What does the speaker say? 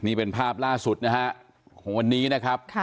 นี่เป็นภาพล่าสุดนะฮะของวันนี้นะครับ